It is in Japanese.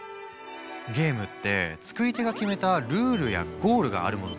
ゲームって作り手が決めたルールやゴールがあるものでしょ？